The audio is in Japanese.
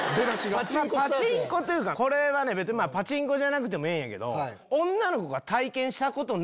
パチンコというかパチンコじゃなくてもええんやけど。